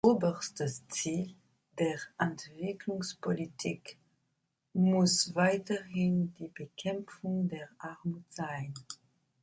Oberstes Ziel der Entwicklungspolitik muss weiterhin die Bekämpfung der Armut sein.